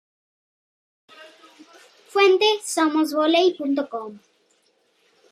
Fuente: somosvoley.com.